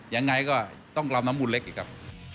ยังไงก็ต้องลำน้ำมูลเล็กอีกครับ